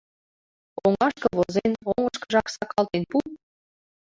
Оҥашке возен, оҥышкыжак сакалтен пу!